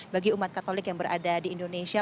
bagi umat katolik yang berada di indonesia